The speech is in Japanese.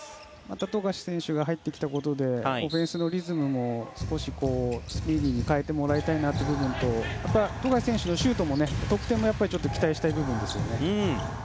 富樫選手が入ってきたことでオフェンスのリズムも少しスピーディーに変えてもらいたいなという部分と富樫選手のシュートも得点を期待したい部分ですね。